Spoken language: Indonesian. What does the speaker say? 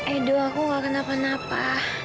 edo aku gak kenapa napa